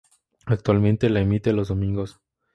Actualmente la emite los domingos.